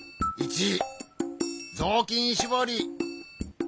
ぞうきんしぼり。